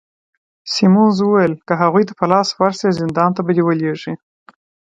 سیمونز وویل: که هغوی ته په لاس ورشې، زندان ته به دي ولیږي.